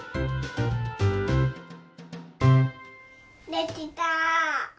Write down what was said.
できた！